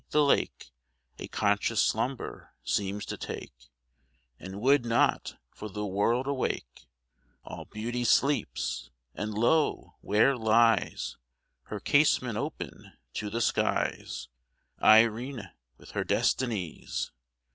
the lake A conscious slumber seems to take, And would not, for the world, awake. All Beauty sleeps! and lo! where lies (Her casement open to the skies) Irene, with her Destinies!